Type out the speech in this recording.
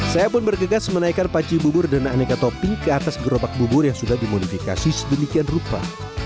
saya pun bergegas menaikkan paci bubur dan aneka topping ke atas gerobak bubur yang sudah dimodifikasi sedemikian rupa